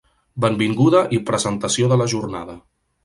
Benvinguda i presentació de la jornada.